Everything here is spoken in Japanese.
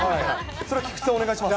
それは菊池さん、お願いします。